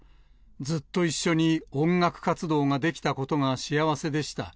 ずっと一緒に音楽活動ができたことが幸せでした。